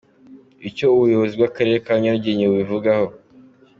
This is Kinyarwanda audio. Icyo ubuyobozi bw’Akarere ka Nyarugenge bubivugaho.